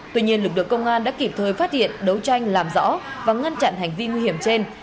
tuy nhiên lực lượng công an đã kịp thời phát hiện đấu tranh làm rõ và ngăn chặn hành vi nguy hiểm trên